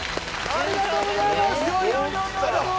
ありがとうございます。